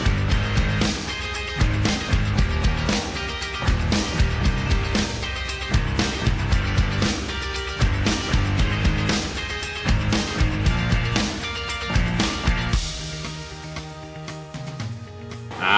อ่า